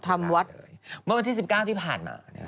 ทำวัดเมื่อวันที่๑๙ที่ผ่านมา